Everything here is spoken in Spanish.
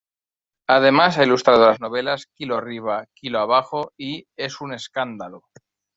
Además, ha ilustrado las novelas "Kilo arriba, kilo abajo y ¡Es un escándalo!